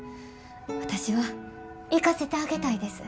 私は行かせてあげたいです。